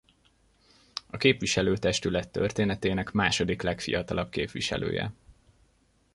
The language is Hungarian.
A képviselőtestület történetének második legfiatalabb képviselője.